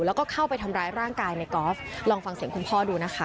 แล้วก็เข้าไปทำร้ายร่างกายในกอล์ฟลองฟังเสียงคุณพ่อดูนะคะ